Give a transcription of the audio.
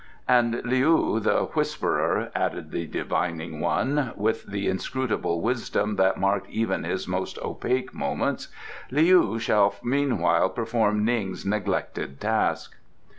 And Leou, the Whisperer," added the Divining One, with the inscrutable wisdom that marked even his most opaque moments, "Leou shall meanwhile perform Ning's neglected task."